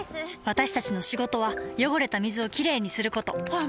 私たちの仕事は汚れた水をきれいにすることホアン見て！